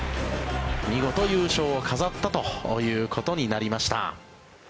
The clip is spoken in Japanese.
見事、優勝を飾ったということになりました。